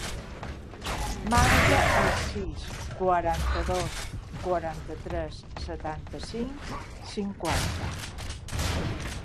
Marca el sis, quaranta-dos, quaranta-tres, setanta-cinc, cinquanta.